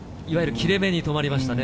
切れ目に止まりましたね。